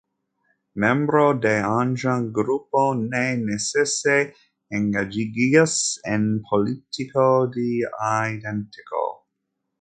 Membro de ajna grupo ne necese engaĝiĝas en politiko de identeco.